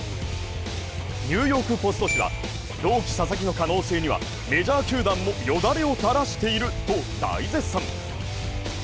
「ニューヨーク・ポスト」紙はロウキ・ササキの可能性にはメジャー球団もよだれを垂らしていると大絶賛。